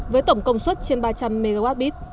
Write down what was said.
với tổng công suất trên ba trăm linh mw